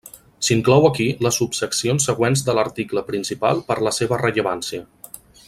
S'inclou aquí les subseccions següents de l'article principal per la seva rellevància.